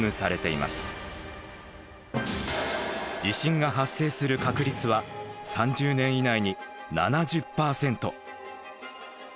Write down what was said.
地震が発生する確率は３０年以内に７０％。